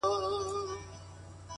o له خوب چي پاڅي؛ توره تياره وي؛